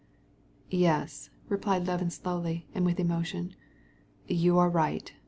"Yes," said Levin, slowly and with emotion, "you're right.